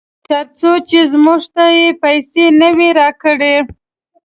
ترڅو چې موږ ته یې پیسې نه وي راکړې.